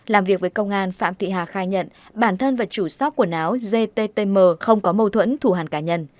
làm việc với công an phạm thị hà khai nhận bản thân và chủ shop quần áo gttm không có mâu thuẫn thủ hàn cá nhân